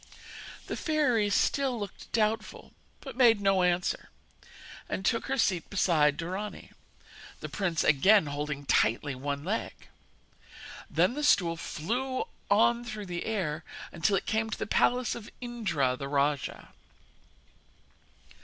The fairy still looked doubtful, but made no answer, and took her seat beside Dorani, the prince again holding tightly one leg. Then the stool flew on through the air until it came to the palace of Indra the rajah.